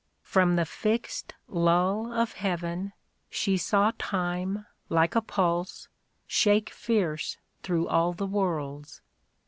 From the fixt lull of heaven, she saw Time, like a pulse, shake fierce Through all the worlds.